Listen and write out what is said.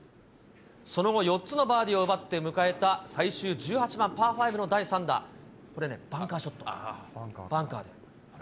その後、４つのバーディーを奪って迎えた最終１８番パー５の第３打、これね、バンカーショット、バンカーで、ほら。